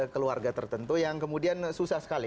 keluarga tertentu yang kemudian susah sekali